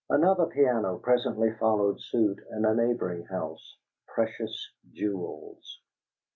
Another piano presently followed suit, in a neighboring house: "Precious Jewels."